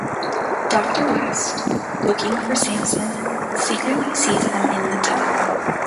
Doctor West, looking for Samson, secretly sees them in the tub.